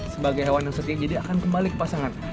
sebagai hewan yang setia jadi akan kembali ke pasangan